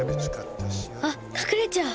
あっかくれちゃう。